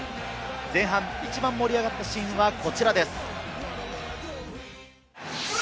前半、一番盛り上がったシーンはこちらです。